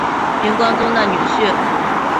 明光宗的女婿。